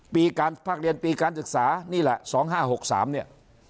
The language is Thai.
ปีการภาคเรียนปีการศึกษานี่แหละสองห้าหกสามเนี่ย